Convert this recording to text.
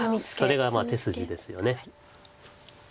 それが手筋ですよね。